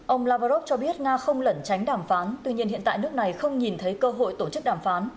ông lavrov cho biết nga không lẩn tránh đàm phán tuy nhiên hiện tại nước này không nhìn thấy cơ hội tổ chức đàm phán